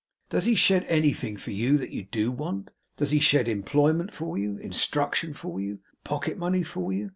'Does he shed anything for you that you DO want? Does he shed employment for you, instruction for you, pocket money for you?